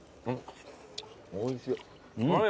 おいしい。